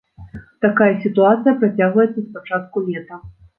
Такая сітуацыя працягваецца з пачатку лета.